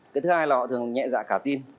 cái thứ hai là họ thường nhẹ dạ cả tin